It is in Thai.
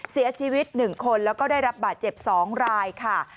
เสียชีวิต๑คนแล้วก็ได้รับบาดเจ็บ๒รายค่ะ